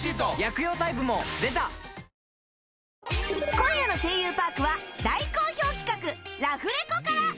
今夜の『声優パーク』は大好評企画「ラフレコ」から